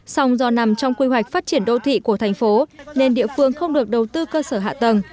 song do nằm trong quy hoạch phát triển đô thị của thành phố nên địa phương không được đầu tư cơ sở hạ tầng